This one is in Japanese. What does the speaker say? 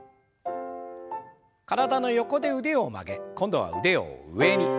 体の横で腕を曲げ今度は腕を上に。